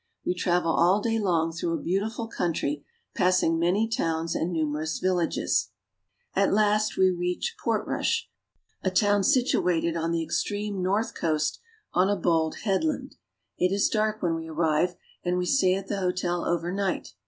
We travel all day long through a beautiful country, passing many towns and numerous villages. JFlP liiiifi 11 IF ' U J Ik —_ Trinity College. At last we reach Portrush, a town situated on the extreme north coast on a bold headland. It is dark when we arrive, and we stay at the hotel over night.